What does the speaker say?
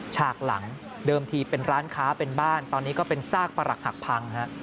ฉากหลังเดิมทีเป็นร้านค้าเป็นบ้านตอนนี้ก็เป็นซากประหลักหักพัง